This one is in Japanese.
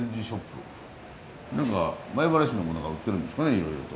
何か米原市のものが売ってるんですかねいろいろと。